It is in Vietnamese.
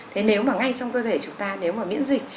thế nếu mà ngay trong cơ thể chúng ta nếu mà miễn dịch